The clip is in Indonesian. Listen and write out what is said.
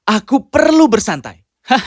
aku perlu bersantai